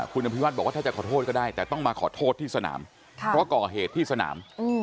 คุณอภิวัฒน์บอกว่าถ้าจะขอโทษก็ได้แต่ต้องมาขอโทษที่สนามเพราะก่อเหตุที่สนาม